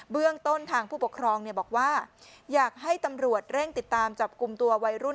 เรื่องต้นทางผู้ปกครองบอกว่าอยากให้ตำรวจเร่งติดตามจับกลุ่มตัววัยรุ่น